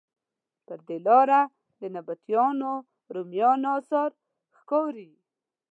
پر دې لاره د نبطیانو، رومیانو اثار ښکاري.